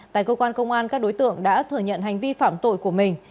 tại cơ quan công an các đối tượng đã thừa nhận hành vi phạm tội của mình